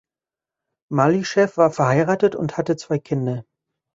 Malyschew war verheiratet und hatte zwei Kinder.